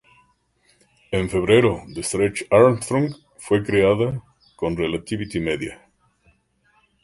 En febrero de "Stretch Armstrong" fue creada con Relativity Media.